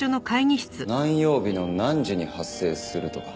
何曜日の何時に発生するとか。